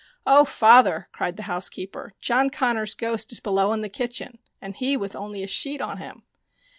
" Oh, father," cried the housekeeper, " John Connors' ghost is below in the kitchen, and he with only a sheet on him